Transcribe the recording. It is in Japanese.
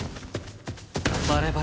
バレバレ。